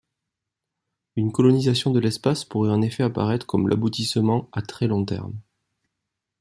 Une colonisation de l'espace pourrait en effet apparaître comme l'aboutissement à très long terme.